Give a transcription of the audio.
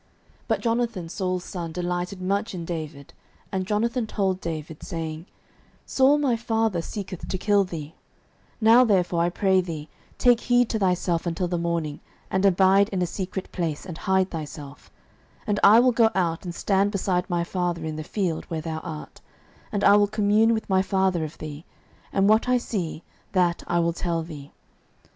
09:019:002 But Jonathan Saul's son delighted much in David: and Jonathan told David, saying, Saul my father seeketh to kill thee: now therefore, I pray thee, take heed to thyself until the morning, and abide in a secret place, and hide thyself: 09:019:003 And I will go out and stand beside my father in the field where thou art, and I will commune with my father of thee; and what I see, that I will tell thee.